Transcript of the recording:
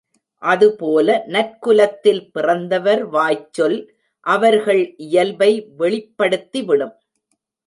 அதுபோல நற்குலத்தில் பிறந்தவர் வாய்ச்சொல் அவர்கள் இயல்பை வெளிப்படுத்திவிடும்.